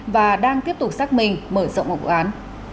và đang tiếp tục xác minh mở rộng vụ án